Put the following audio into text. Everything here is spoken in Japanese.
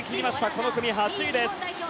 この組、８位です。